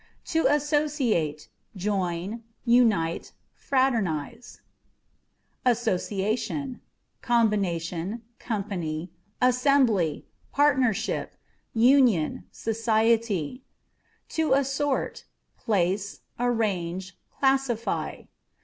To Associateâ€" ^orn, unite, fraternizet C 18 ASSâ€" ATT. Association â€" combination, company, assembly, partnership, union, society. To Assort â€" place, arrange, classify.